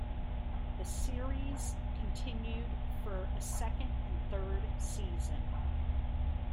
The series continued for a second and third season.